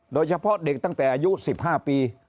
โดยเฉพาะเด็กตั้งแต่อายุ๑๕ปี